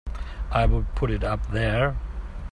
I would put it up there!